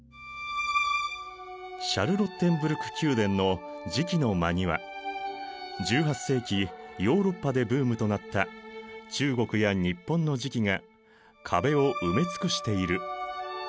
シャルロッテンブルク宮殿の磁器の間には１８世紀ヨーロッパでブームとなった中国や日本の磁器が壁を埋め尽くしている。